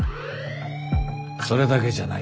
それだけじゃないんです。